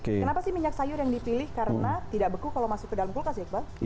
kenapa sih minyak sayur yang dipilih karena tidak beku kalau masuk ke dalam kulkas iqbal